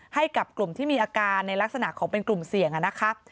ให้กับกลุ่มที่มีอาการในลักษณะของเป็นกลุ่มเสี่ยงนะคะ